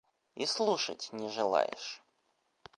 И слушать не желаешь!